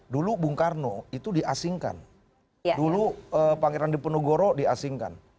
dulu bung karno itu diasingkan dulu pangeran diponegoro diasingkan